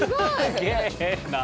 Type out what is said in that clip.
すげえな。